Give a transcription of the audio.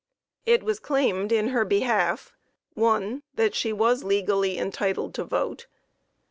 It was claimed in her behalf: I. That she was legally entitled to vote.